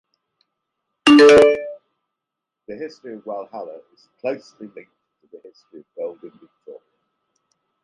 The history of Walhalla is closely linked to the history of gold in Victoria.